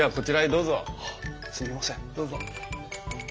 どうぞ。